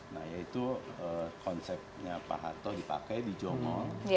nah yaitu konsepnya pak harto dipakai di jongol